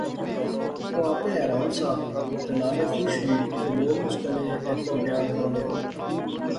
او آپے حیران سا تہ نالے خوش وی کہ لوک اس کنے اتنا پیار کرنے